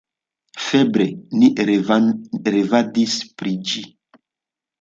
Febre ni revadis pri ĝi.